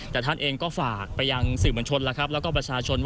แต่ท่านเองก็ฝากไปยังสื่อมวลชนแล้วก็ประชาชน